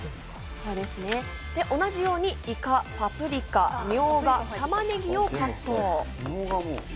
同じようにイカ、パプリカ、ミョウガ、玉ねぎをカット。